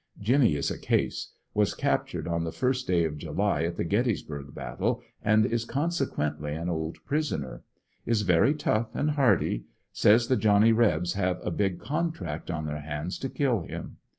Jimmy is a case; was captured on the 1st day of July at the Gettysburg battle, and is consequently an old prisoner. Is very tough and hardy. Says the Johnny Rebs have a big contract on their hands to kill him.